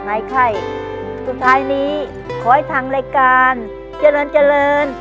มากมากมากกับพี่